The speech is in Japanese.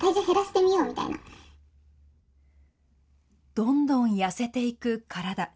どんどん痩せていく体。